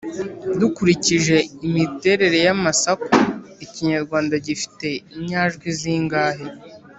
dukurikije imiterere y’amasaku ikinyarwanda gifite inyajwi zingahe